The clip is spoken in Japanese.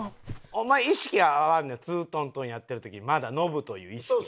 お前意識があるのよツー・トン・トンやってる時まだノブという意識が。